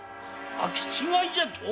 書き違いじゃと！？